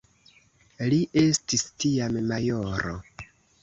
Li estis tiam majoro.